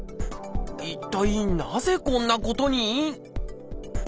一体なぜこんなことに？